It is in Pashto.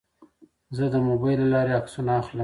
زه د موبایل له لارې عکسونه اخلم.